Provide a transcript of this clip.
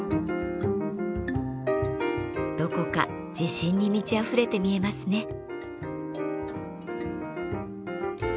どこか自信に満ちあふれて見えますね。